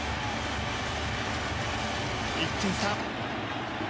１点差。